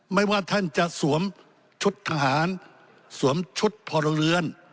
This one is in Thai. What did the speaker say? ไม่ว่าท่านจะสวมชุดทหารสวมชุดพลเรือน